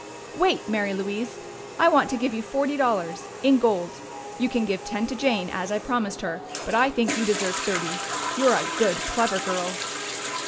"Wait, Mary Louise! I want to give you forty dollars in gold. You can give ten to Jane, as I promised her, but I think you deserve thirty. You're a good, clever girl!"